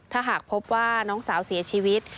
ถ้าหากพบว่าน้องสาวเสียชีวิต